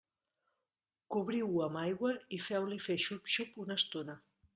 Cobriu-ho amb aigua i feu-li fer xup-xup una estona.